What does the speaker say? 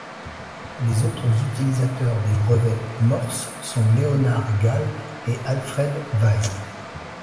Les autres utilisateurs des brevets Morse sont Leonard Gale et Alfred Vail.